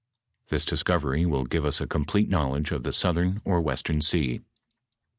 This discovery will give us a complete knowledge of the southern or western 8ea."